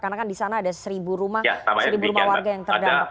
karena kan di sana ada seribu rumah warga yang terdampak